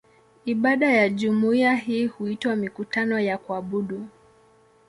Ibada za jumuiya hii huitwa "mikutano ya kuabudu".